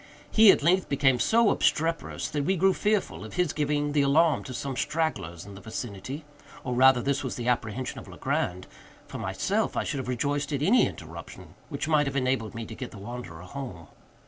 He, at length, became so obstreperous that we grew fearful of his giving the alarm to some stragglers in the vicinity—or, rather, this was the apprehension of Legrand;—for myself, I should have rejoiced at any interruption which might have enabled me to get the wanderer home.